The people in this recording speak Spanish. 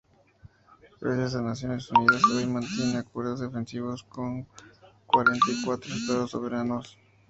Gracias a Naciones Unidas, hoy mantiene acuerdos defensivos con cuarenta y cuatro estados soberanos.